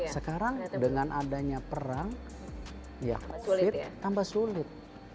sekarang dengan adanya perang ya fit tambah sulit